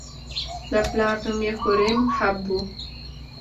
د پلار نوم یې هوریم هب و.